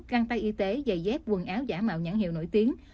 găng tay y tế giày dép quần áo giả mạo nhãn hiệu nổi tiếng